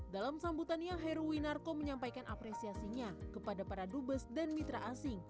dalam sambutannya heruwinarko menyampaikan apresiasinya kepada para dubes dan mitra asing